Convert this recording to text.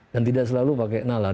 dan tidak selalu pakai nalar